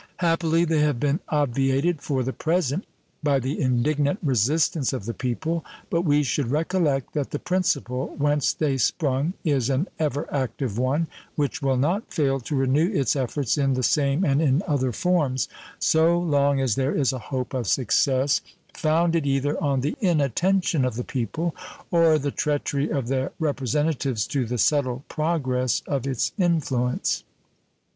Happily they have been obviated for the present by the indignant resistance of the people, but we should recollect that the principle whence they sprung is an ever active one, which will not fail to renew its efforts in the same and in other forms so long as there is a hope of success, founded either on the inattention of the people or the treachery of their representatives to the subtle progress of its influence.